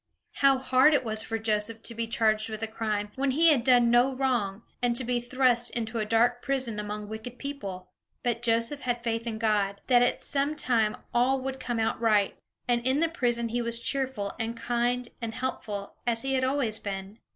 How hard it was for Joseph to be charged with a crime, when he had done no wrong, and to be thrust into a dark prison among wicked people! But Joseph had faith in God, that at some time all would come out right; and in the prison he was cheerful, and kind, and helpful, as he had always been.